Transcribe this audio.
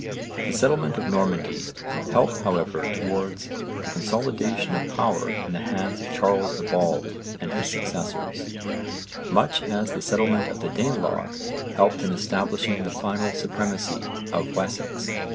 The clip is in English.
The settlement of Normandy helped however towards the consolidation of power in the hands of Charles the Bald and his successors, much as the settlement of the Danelagh helped in establishing the final supremacy of Wessex.